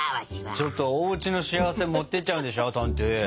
ちょっとおうちの幸せ持っていっちゃうんでしょトントゥ？